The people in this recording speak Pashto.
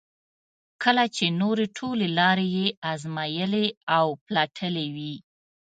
کله چې نورې ټولې لارې یې ازمایلې او پلټلې وي.